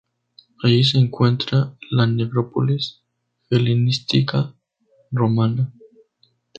Allí se encuentra la necrópolis helenística romana.